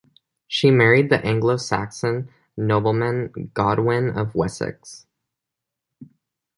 She married the Anglo-Saxon nobleman Godwin of Wessex.